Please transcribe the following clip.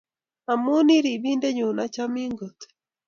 Amu I Ribindennyu achamin kot